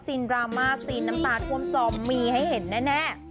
ดราม่าซีนน้ำตาท่วมซอมมีให้เห็นแน่